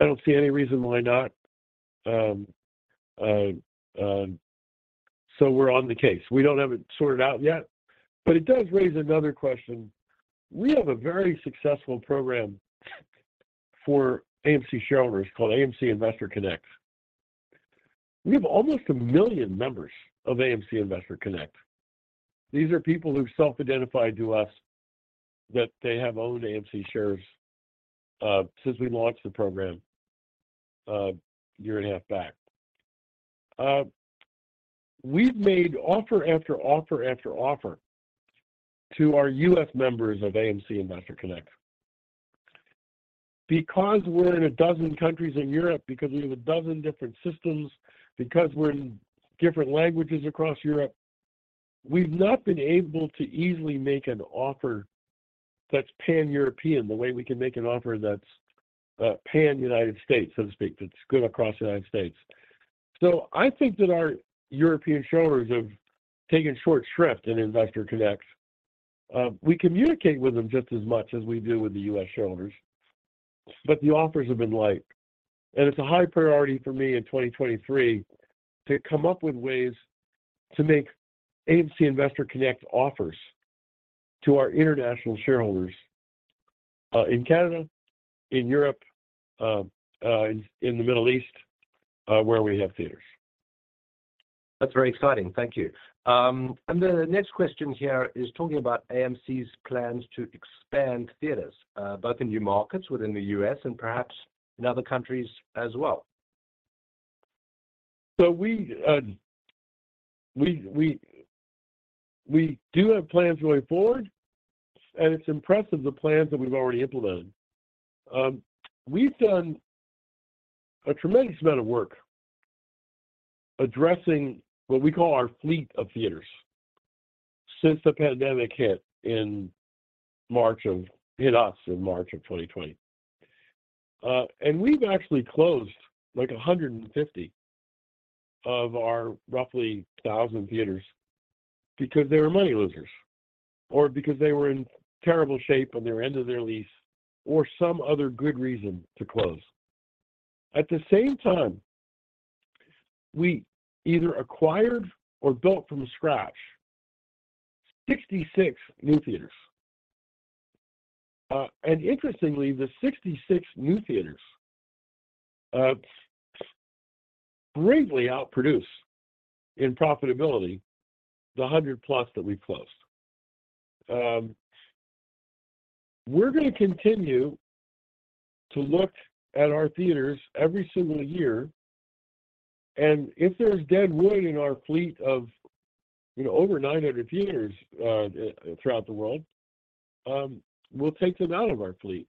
We have almost 1 million members of AMC Investor Connect. These are people who've self-identified to us that they have owned AMC shares since we launched the program a year and a half back. We've made offer after offer after offer to our U.S. members of AMC Investor Connect. We're in 12 countries in Europe, because we have 12 different systems, because we're in different languages across Europe, we've not been able to easily make an offer that's pan-European, the way we can make an offer that's pan-U.S., so to speak, that's good across the U.S. I think that our European shareholders have taken short shrift in Investor Connect. We communicate with them just as much as we do with the U.S. shareholders, but the offers have been light, and it's a high priority for me in 2023 to come up with ways to make AMC Investor Connect offers to our international shareholders, in Canada, in Europe, in the Middle East, where we have theaters. That's very exciting. Thank you. The next question here is talking about AMC's plans to expand theaters, both in new markets within the U.S. and perhaps in other countries as well. We do have plans going forward, and it's impressive the plans that we've already implemented. We've done a tremendous amount of work addressing what we call our fleet of theaters since the pandemic hit us in March of 2020. We've actually closed, like, 150 of our roughly 1,000 theaters because they were money losers or because they were in terrible shape and they were end of their lease, or some other good reason to close. At the same time, we either acquired or built from scratch 66 new theaters. Interestingly, the 66 new theaters greatly outproduce in profitability the 100+ that we closed. We're gonna continue to look at our theaters every single year, and if there's deadwood in our fleet of, you know, over 900 theaters throughout the world, we'll take them out of our fleet.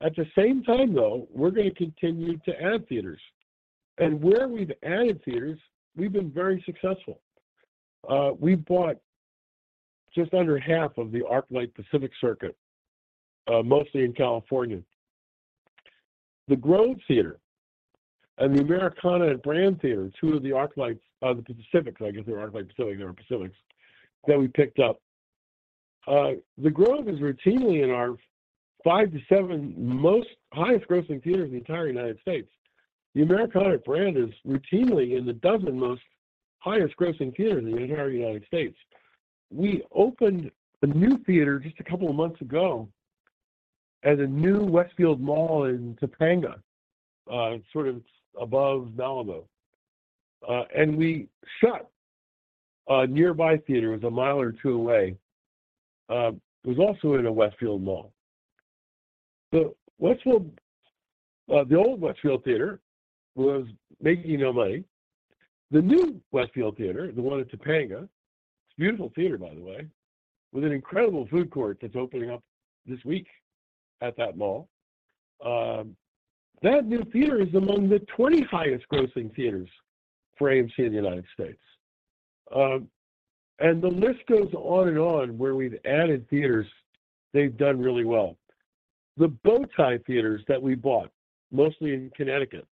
At the same time though, we're gonna continue to add theaters. Where we've added theaters, we've been very successful. We bought just under half of the ArcLight Pacific Circuit, mostly in California. The Grove Theater and the Americana at Brand Theater, two of the ArcLights, the Pacifics, I guess, they're ArcLight Pacific, they're Pacifics, that we picked up. The Grove is routinely in our five to seven most highest grossing theaters in the entire United States. The Americana at Brand is routinely in the 12 most highest grossing theaters in the entire United States. We opened a new theater just a couple of months ago at a new Westfield Mall in Topanga, sort of above Malibu. We shut a nearby theater. It was a mile or two away. It was also in a Westfield Mall. The old Westfield Theater was making no money. The new Westfield Theater, the one at Topanga, it's a beautiful theater by the way, with an incredible food court that's opening up this week at that mall. That new theater is among the 20 highest grossing theaters for AMC in the United States. The list goes on and on where we've added theaters, they've done really well. The Bow Tie Cinemas that we bought, mostly in Connecticut.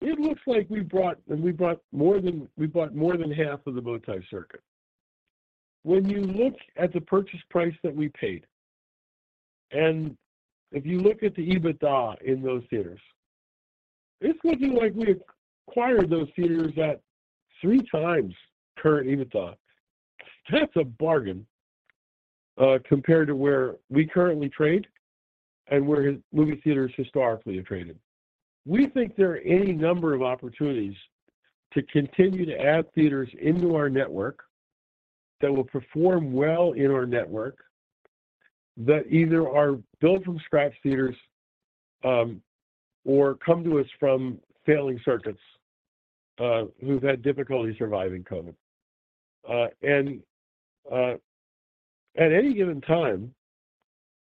It looks like we bought more than half of the Bow Tie Circuit. When you look at the purchase price that we paid, if you look at the EBITDA in those theaters, it's looking like we acquired those theaters at 3x current EBITDA. That's a bargain, compared to where we currently trade and where movie theaters historically have traded. We think there are any number of opportunities to continue to add theaters into our network that will perform well in our network, that either are built-from-scratch theaters, or come to us from failing circuits, who've had difficulty surviving COVID. At any given time,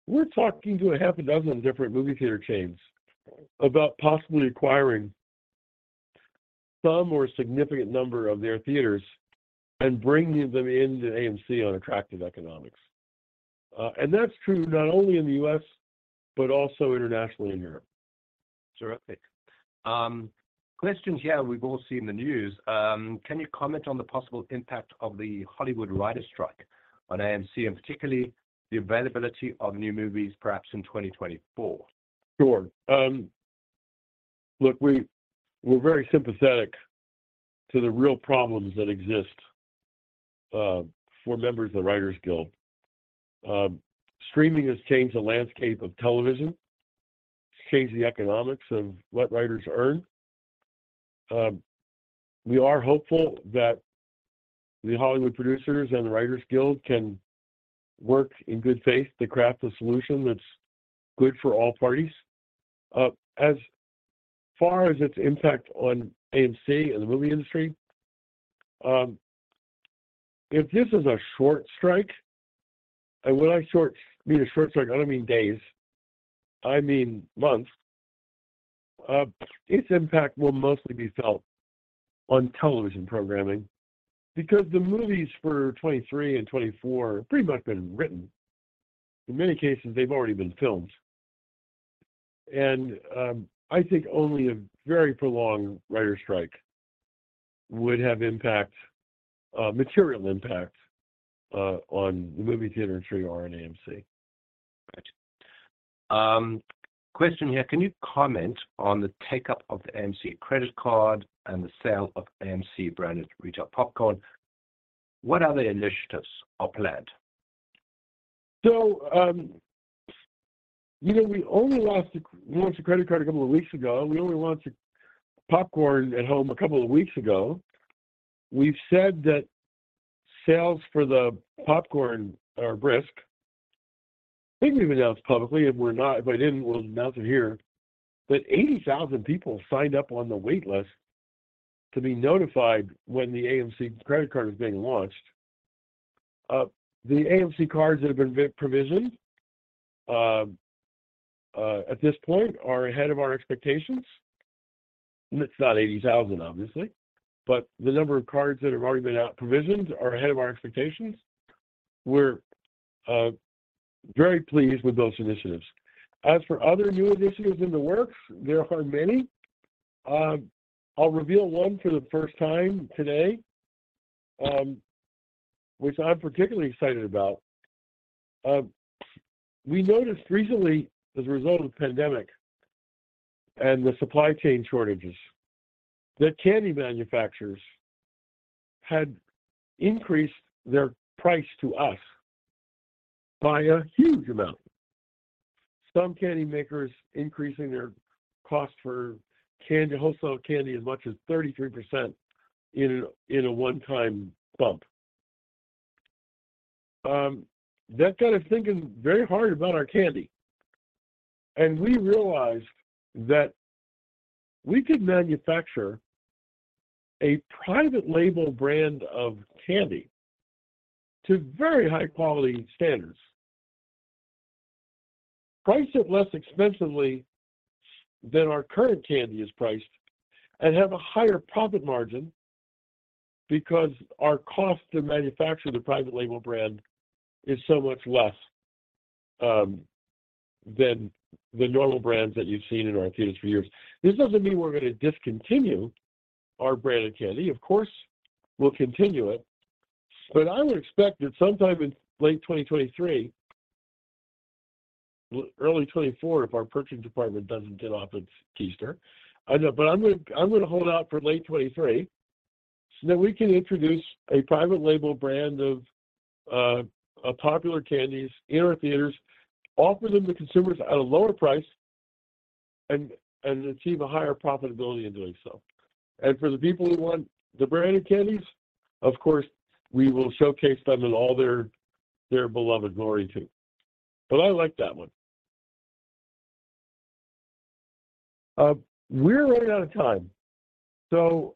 we're talking to a half a dozen different movie theater chains about possibly acquiring some or a significant number of their theaters and bringing them into AMC on attractive economics. That's true not only in the U.S., but also internationally in Europe. Terrific. Question here we've all seen in the news. Can you comment on the possible impact of the Hollywood writers' strike on AMC, and particularly the availability of new movies perhaps in 2024? Sure. Look, we're very sympathetic to the real problems that exist for members of the Writers Guild. Streaming has changed the landscape of television. It's changed the economics of what writers earn. We are hopeful that the Hollywood producers and the Writers Guild can work in good faith to craft a solution that's good for all parties. As far as its impact on AMC and the movie industry, if this is a short strike, and when I mean a short strike, I don't mean days, I mean months. Its impact will mostly be felt on television programming because the movies for 2023 and 2024 have pretty much been written. In many cases, they've already been filmed. I think only a very prolonged writer strike would have impact, material impact, on the movie theater industry or on AMC. Right. question here: Can you comment on the take-up of the AMC credit card and the sale of AMC-branded retail popcorn? What other initiatives are planned? You know, we launched the AMC credit card a couple of weeks ago, and we only launched the popcorn at home a couple of weeks ago. We've said that sales for the popcorn are brisk. I think we've announced publicly. If I didn't, we'll announce it here. 80,000 people signed up on the waitlist to be notified when the AMC credit card was being launched. The AMC cards that have been provisioned at this point are ahead of our expectations. It's not 80,000, obviously, but the number of cards that have already been out provisioned are ahead of our expectations. We're very pleased with those initiatives. As for other new initiatives in the works, there are many. I'll reveal one for the first time today, which I'm particularly excited about. We noticed recently as a result of the pandemic and the supply chain shortages that candy manufacturers had increased their price to us by a huge amount. Some candy makers increasing their cost for candy, wholesale candy as much as 33% in a one-time bump. That got us thinking very hard about our candy. We realized that we could manufacture a private label brand of candy to very high quality standards, price it less expensively than our current candy is priced, and have a higher profit margin because our cost to manufacture the private label brand is so much less than the normal brands that you've seen in our theaters for years. This doesn't mean we're gonna discontinue our branded candy. Of course, we'll continue it, but I would expect that sometime in late 2023, early 2024, if our purchasing department doesn't get off its keister. I know, but I'm gonna hold out for late 2023 so that we can introduce a private label brand of a popular candies in our theaters, offer them to consumers at a lower price and achieve a higher profitability in doing so. For the people who want the branded candies, of course, we will showcase them in all their beloved glory too. I like that one. We're running out of time. You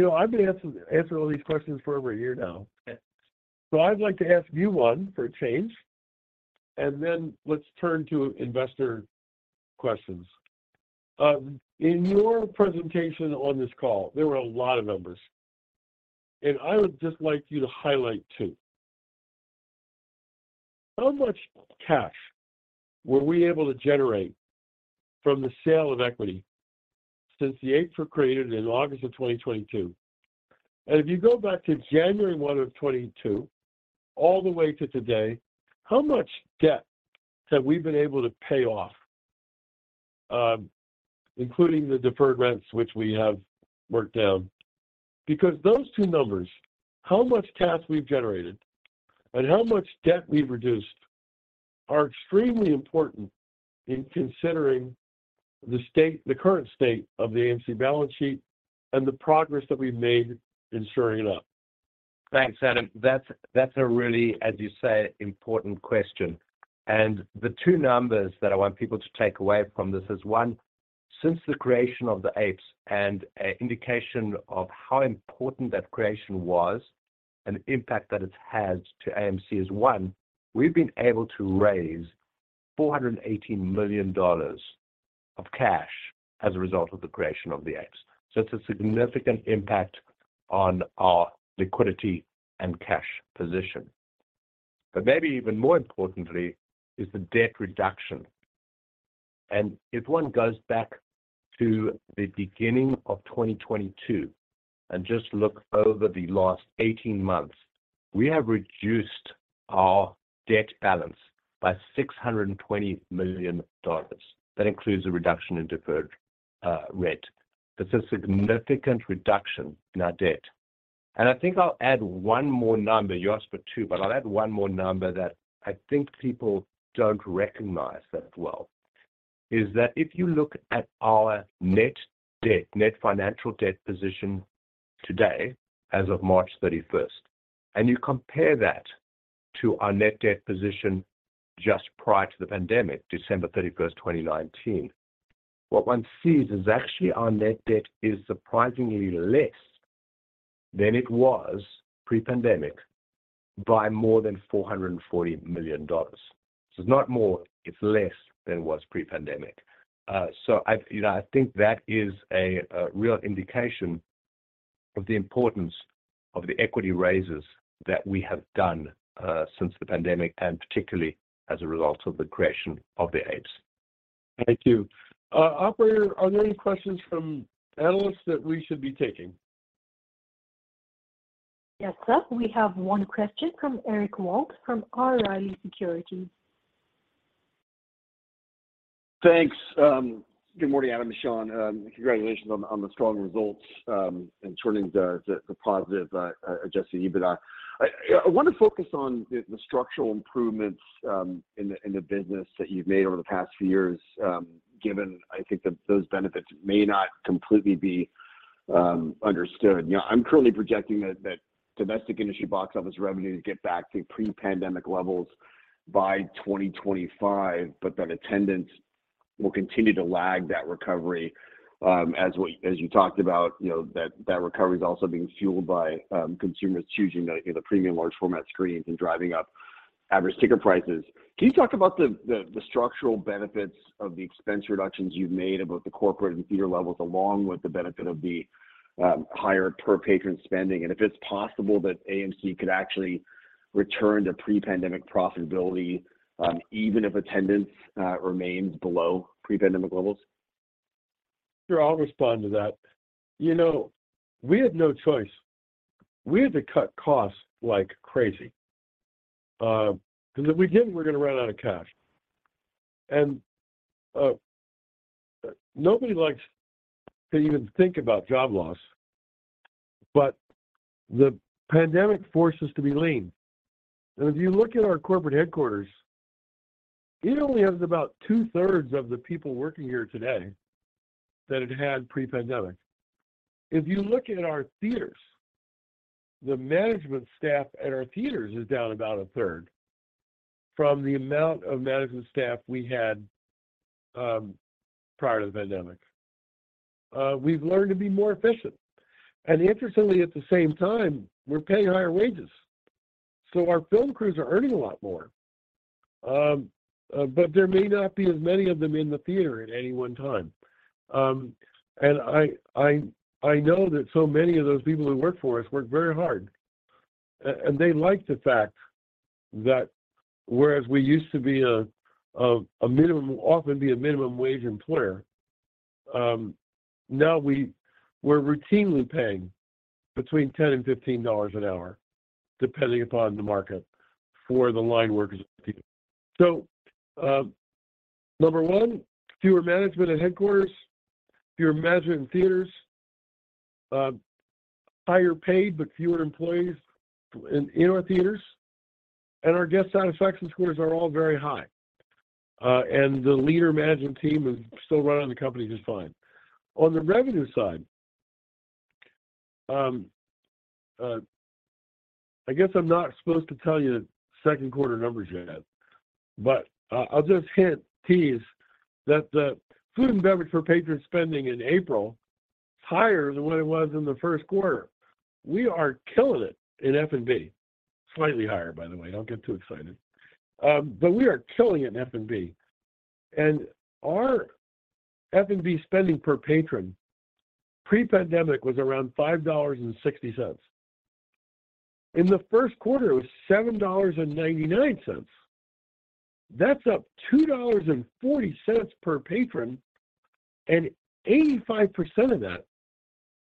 know, I've been answering all these questions for over a year now. Yeah. I'd like to ask you one for a change. Let's turn to investor questions. In your presentation on this call, there were a lot of numbers, and I would just like you to highlight two. How much cash were we able to generate from the sale of equity since the APE was created in August of 2022? If you go back to January 1 of 2022 all the way to today, how much debt have we been able to pay off, including the deferred rents which we have worked down? Those two numbers, how much cash we've generated and how much debt we've reduced, are extremely important in considering the state, the current state of the AMC balance sheet and the progress that we've made in shoring it up. Thanks, Adam. That's a really, as you say, important question. The two numbers that I want people to take away from this is, one, since the creation of the APEs and an indication of how important that creation was and the impact that it's had to AMC is, one, we've been able to raise $480 million of cash as a result of the creation of the APEs. It's a significant impact on our liquidity and cash position. Maybe even more importantly is the debt reduction. If one goes back to the beginning of 2022 and just look over the last 18 months, we have reduced our debt balance by $620 million. That includes a reduction in deferred rent. That's a significant reduction in our debt. I think I'll add one more number. You asked for two, but I'll add one more number that I think people don't recognize that well, is that if you look at our net debt, net financial debt position today as of March 31st, and you compare that to our net debt position just prior to the pandemic, December 31st, 2019, what one sees is actually our net debt is surprisingly less than it was pre-pandemic by more than $440 million. It's not more, it's less than it was pre-pandemic. I, you know, I think that is a real indication of the importance of the equity raises that we have done since the pandemic, and particularly as a result of the creation of the APEs. Thank you. Operator, are there any questions from analysts that we should be taking? Yes, sir. We have one question from Eric Wold from B. Riley Securities. Thanks. Good morning, Adam and Sean. Congratulations on the strong results and turning the positive Adjusted EBITDA. I wanna focus on the structural improvements in the business that you've made over the past few years, given I think that those benefits may not completely be understood. You know, I'm currently projecting that domestic industry box office revenue to get back to pre-pandemic levels by 2025, but that attendance will continue to lag that recovery, as you talked about, you know, that recovery is also being fueled by consumers choosing the, you know, premium large format screens and driving up average ticket prices. Can you talk about the structural benefits of the expense reductions you've made at both the corporate and theater levels, along with the benefit of the higher per patron spending? If it's possible that AMC could actually return to pre-pandemic profitability, even if attendance remains below pre-pandemic levels? Sure. I'll respond to that. You know, we had no choice. We had to cut costs like crazy, 'cause if we didn't, we're gonna run out of cash. Nobody likes to even think about job loss, but the pandemic forced us to be lean. If you look at our corporate headquarters, it only has about 2/3 of the people working here today that it had pre-pandemic. If you look at our theaters, the management staff at our theaters is down about 1/3 from the amount of management staff we had prior to the pandemic. We've learned to be more efficient. Interestingly, at the same time, we're paying higher wages. Our film crews are earning a lot more, but there may not be as many of them in the theater at any one time. I know that so many of those people who work for us work very hard, and they like the fact that whereas we used to be a minimum wage employer, now we're routinely paying between $10 and $15 an hour, depending upon the market for the line workers at the theater. Number one, fewer management at headquarters, fewer management in theaters, higher paid, but fewer employees in our theaters, and our guest satisfaction scores are all very high. The leader management team is still running the company just fine. On the revenue side, I guess I'm not supposed to tell you second quarter numbers yet, but I'll just tease that the food and beverage per patron spending in April higher than what it was in the first quarter. We are killing it in F&B. Slightly higher, by the way, don't get too excited. We are killing it in F&B. Our F&B spending per patron pre-pandemic was around $5.60. In the first quarter, it was $7.99. That's up $2.40 per patron, and 85% of that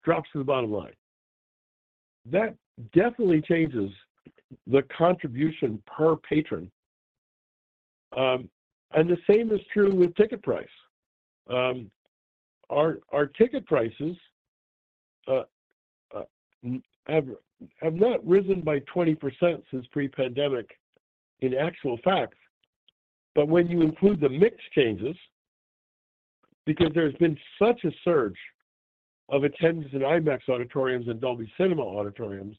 drops to the bottom line. That definitely changes the contribution per patron. The same is true with ticket price. Our ticket prices have not risen by 20% since pre-pandemic in actual fact, but when you include the mix changes, because there's been such a surge of attendance in IMAX auditoriums and Dolby Cinema auditoriums,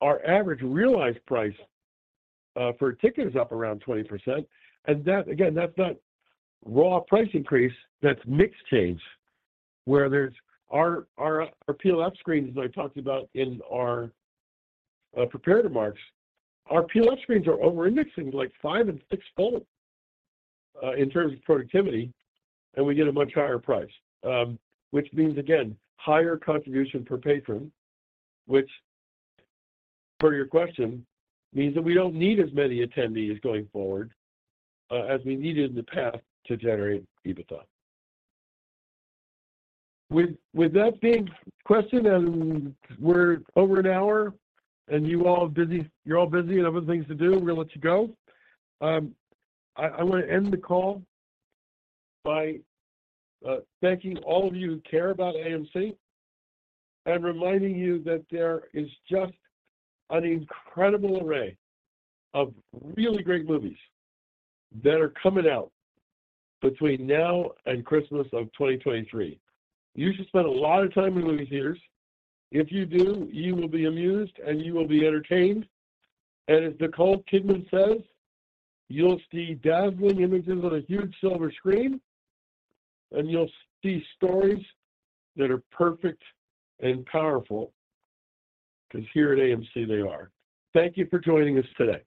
our average realized price per ticket is up around 20%. That, again, that's not raw price increase, that's mix change. Where there's our PLF screens, as I talked about in our prepared remarks, our PLF screens are over-indexing like five and sixfold in terms of productivity, and we get a much higher price. Which means again, higher contribution per patron, which for your question, means that we don't need as many attendees going forward as we needed in the past to generate EBITDA. With that being questioned, and we're over an hour, and you all are busy, you're all busy and other things to do, we're gonna let you go. I wanna end the call by thanking all of you who care about AMC and reminding you that there is just an incredible array of really great movies that are coming out between now and Christmas of 2023. You should spend a lot of time in movie theaters. If you do, you will be amused, and you will be entertained. As Nicole Kidman says, "You'll see dazzling images on a huge silver screen, and you'll see stories that are perfect and powerful," 'cause here at AMC, they are. Thank you for joining us today.